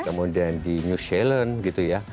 kemudian di new zealand gitu ya